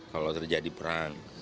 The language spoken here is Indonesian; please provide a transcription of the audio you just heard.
kalau terjadi perang